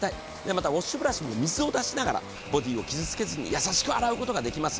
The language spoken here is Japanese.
またウォッシュブラシも水をだしながらボディを傷つけずに優しく洗い流すことができます。